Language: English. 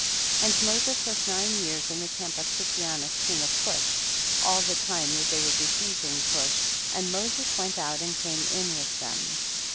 23. And Moses was nine years in the camp of Kikianus king of Cush, all the time that they were besieging Cush, and Moses went out and came in with them.